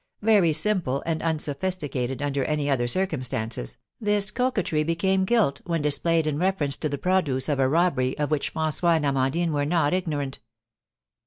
Very simple and unsophisticated under any other circumstances, this coquetry became guilt when displayed in reference to the produce of a robbery of which François and Amandine were not ignorant.